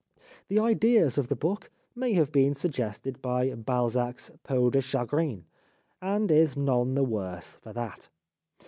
The ideas of the book may have been suggested by Balzac's ' Peau de Chagrin,' and is none the worse for that.